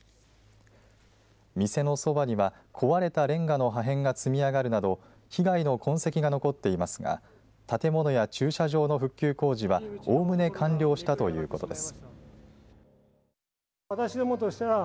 店のそばには壊れたれんがの破片が積み上がるなど被害の痕跡が残っていますが建物や駐車場の復旧工事はおおむね完了したということです。